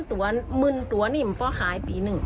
๑๐๐๐ตัว๑๐๐๐๐ตัวเนี่ยมะคารขายปีนึง